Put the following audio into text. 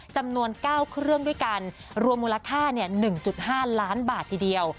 จำนวน๙เครื่องด้วยกันรวมมูลค่า๑๕ล้านบาททีเดียว